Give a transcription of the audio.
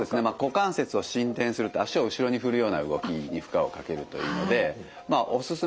股関節を伸展するって足を後ろに振るような動きに負荷をかけるというのでおすすめ一番